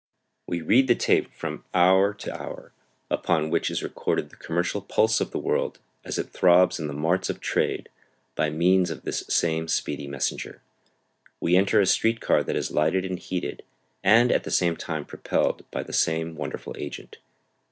We read the tape from hour to hour, upon which is recorded the commercial pulse of the world, as it throbs in the marts of trade, by means of this same speedy messenger. We enter a street car that is lighted and heated, and at the same time propelled by the same wonderful agent.